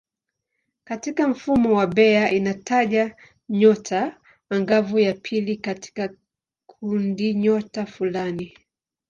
Katika mfumo wa Bayer inataja nyota angavu ya pili katika kundinyota fulani.